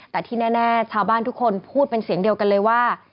แต่ที่แน่ชาวบ้านทุกคนพูดเป็นเสียงเดียวกันเลยว่า